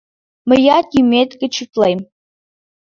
Мыят йӱмет гыч утлем...